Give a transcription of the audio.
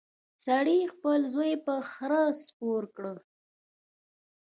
سړي خپل زوی په خره سپور کړ.